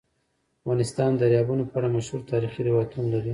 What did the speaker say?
افغانستان د دریابونه په اړه مشهور تاریخی روایتونه لري.